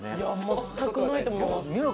全くないと思います。